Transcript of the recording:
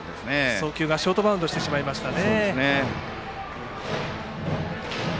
送球がショートバウンドしましたね。